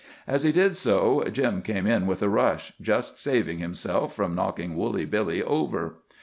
As he did so, Jim came in with a rush, just saving himself from knocking Woolly Billy over.